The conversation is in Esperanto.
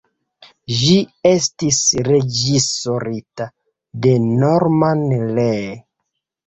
Ĝi estis reĝisorita de Norman Lee.